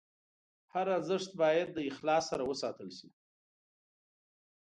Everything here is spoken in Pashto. هر ارزښت باید د اخلاص سره وساتل شي.